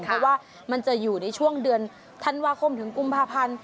เพราะว่ามันจะอยู่ในช่วงเดือนธันวาคมถึงกุมภาพันธ์